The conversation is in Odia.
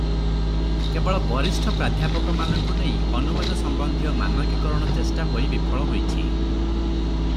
କେବଳ ବରିଷ୍ଠ ପ୍ରାଧ୍ଯାପକମାନଙ୍କୁ ନେଇ ଅନୁବାଦ ସମ୍ବନ୍ଧିତ ମାନକୀକରଣ ଚେଷ୍ଟା ହୋଇ ବିଫଳ ହୋଇଛି ।